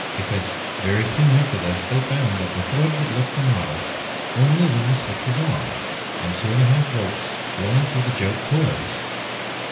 Because very soon after this they found that the thread would lift the model only when the switch was on and two and a half volts flowing through the joke coils.